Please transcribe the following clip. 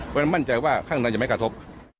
เพื่อมั่นใจว่าข้างในจะไม่กระทบ